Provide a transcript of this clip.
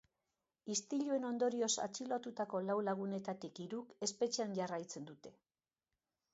Istiluen ondorioz atxilotutako lau lagunetatik hiruk espetxean jarraitzen dute.